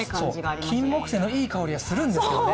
そう、キンモクセイのいい香りはするんですけどね。